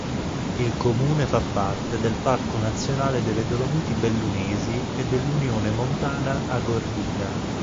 Il comune fa parte del Parco nazionale delle Dolomiti Bellunesi e dell'Unione montana Agordina.